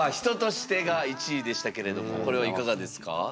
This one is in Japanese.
「人として」が１位でしたけれどもこれはいかがですか。